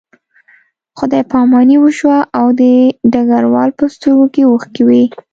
خدای پاماني وشوه او د ډګروال په سترګو کې اوښکې وې